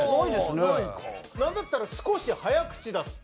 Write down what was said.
なんだったら「少し早口だった」。